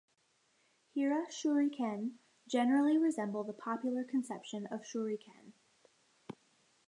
Hira-shuriken generally resemble the popular conception of shuriken.